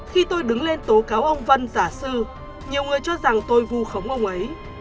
khi tôi đứng lên tố cáo ông vân giả sư nhiều người cho rằng tôi vu khống ông ấy